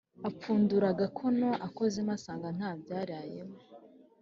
apfundura agakono akozemo asanga ntabyarayemo,